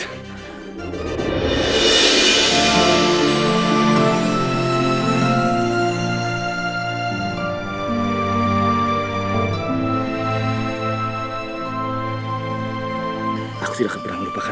aku tidak akan pernah melupakan hal ini punaksari